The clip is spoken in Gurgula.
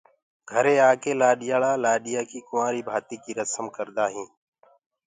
گھري آ ڪي لآڏآݪآ لآڏيآ ڪي ڪُنٚوآري ڀآتي ڪي رسم ڪردآ هينٚ۔